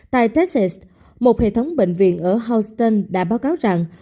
tại test một hệ thống bệnh viện ở houston đã báo cáo rằng